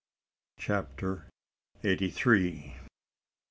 CHAPTER EIGHTY THREE.